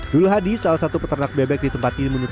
dul hadi salah satu peternak bebek di tempat ini menunjukkan